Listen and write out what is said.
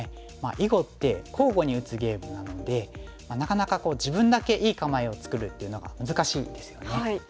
囲碁って交互に打つゲームなのでなかなか自分だけいい構えを作るっていうのが難しいですよね。